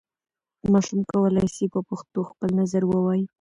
ماشوم کولای سي په پښتو خپل نظر ووايي.